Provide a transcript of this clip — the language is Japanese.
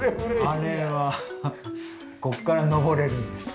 あれはここから登れるんです。